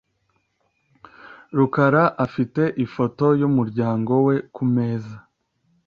rukara afite ifoto yumuryango we kumeza .